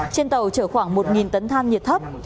trên tàu chở khoảng một tấn than nhiệt thấp